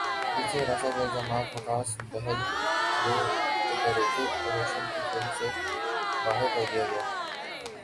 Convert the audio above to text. جنسی ہراساں کے الزامات وکاس بہل کو ہریتھک روشن کی فلم سے باہر کردیا گیا